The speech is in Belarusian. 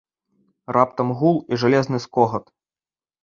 Раптам гул і жалезны скогат.